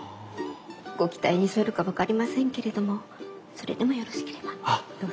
ご期待に添えるか分かりませんけれどもそれでもよろしければどうぞ。